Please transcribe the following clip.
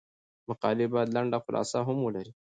مقالې باید لنډه خلاصه هم ولري.